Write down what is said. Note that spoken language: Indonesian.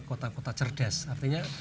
kota kota cerdas artinya